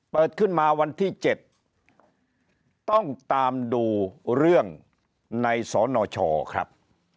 เปิดขึ้นมาวันที่๗ต้องตามดูเรื่องในสนชครับ